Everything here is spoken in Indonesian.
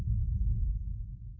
kau ingin menurut itu